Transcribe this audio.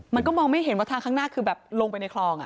มันก็มองไม่เห็นว่าทางข้างหน้าคือแบบลงไปในคลอง